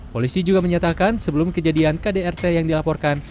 polisi juga menyatakan sebelum kejadian kdrt yang dilaporkan